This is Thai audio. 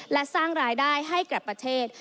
และสร้างรายได้ให้กับประเทศ